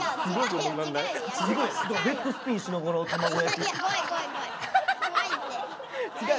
ヘッドスピンしながら卵焼き。